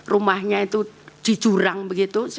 rumahnya itu di jurang begitu